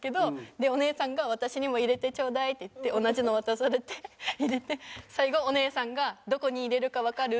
でお姉さんが「私にも入れてちょうだい」って言って同じのを渡されて入れて最後お姉さんが「どこに入れるかわかる？